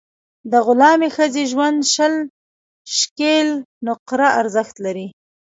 د غلامي ښځې ژوند شل شِکِل نقره ارزښت لري.